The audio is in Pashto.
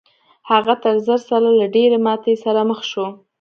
هغه تر زر ځله له ډېرې ماتې سره مخ شو.